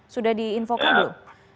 sudah diinvokan dulu